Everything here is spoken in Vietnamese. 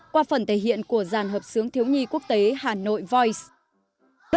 qua phần thể hiện của giàn hợp sướng thiếu nhi quốc tế hà nội voice